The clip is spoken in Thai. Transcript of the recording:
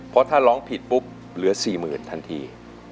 เพราะถ้าร้องผิดปุ๊บเหลือ๔๐๐๐ทันที